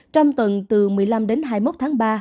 trong tuần từ một mươi năm đến hai mươi một tháng ba